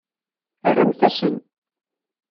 Rremt-asen.